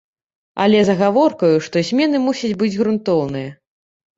Але з агаворкаю, што змены мусяць быць грунтоўныя.